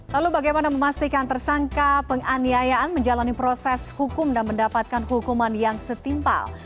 lalu bagaimana memastikan tersangka penganiayaan menjalani proses hukum dan mendapatkan hukuman yang setimpal